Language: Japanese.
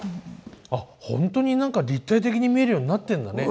あっ本当に何か立体的に見えるようになってんだね。